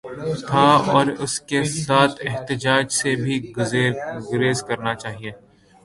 تھا اور اس کے ساتھ احتجاج سے بھی گریز کرنا چاہیے۔